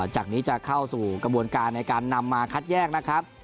จากนี้จะเข้าสู่กระบวนการในการนำมาคัดแยกนะครับ